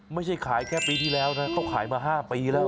ไม่ใช่ขายแค่ปีที่แล้วนะเขาขายมา๕ปีแล้ว